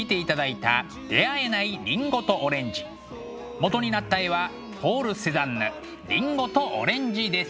もとになった絵はポール・セザンヌ「りんごとオレンジ」です。